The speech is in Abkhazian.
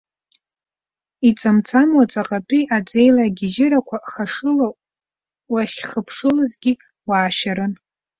Иҵамҵамуа ҵаҟантәи аӡеилагьежьрақәа хашыло, уахьхыԥшылозгьы уаашәарын.